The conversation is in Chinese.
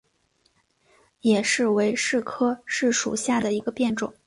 野柿为柿科柿属下的一个变种。